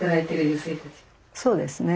そうですね。